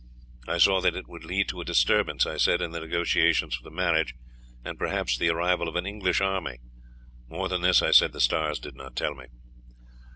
I saw that it would lead to a disturbance, I said, in the negotiations for the marriage, and perhaps the arrival of an English army. More than this I said the stars did not tell me.